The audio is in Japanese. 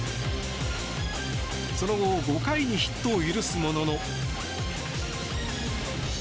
その後５回にヒットを許すものの。